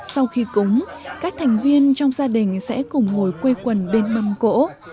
sau khi cúng các thành viên trong gia đình sẽ cùng ngồi quây quần bên mâm cổ